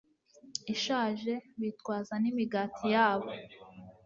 ishaje bitwaza n imigati yabo